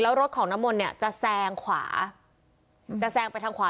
แล้วรถของน้ำมนต์เนี่ยจะแซงขวาจะแซงไปทางขวา